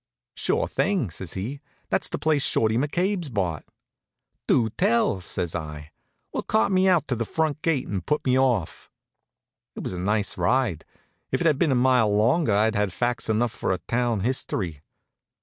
"Sure thing!" says he. "That's the place Shorty McCabe's bought." "Do tell!" says I. "Well, cart me out to the front gate and put me off." It was a nice ride. If it had been a mile longer I'd had facts enough for a town history.